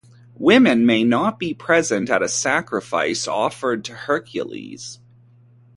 Women may not be present at a sacrifice offered to Hercules.